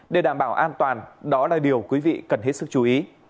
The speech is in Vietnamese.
để đảm bảo an toàn đó là điều quý vị cần hết sức chú ý